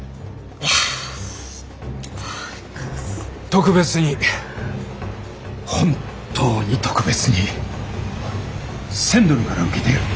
特別に本当に特別に１，０００ドルから受けてやる。